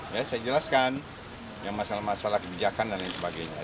ya saya jelaskan yang masalah masalah kebijakan dan lain sebagainya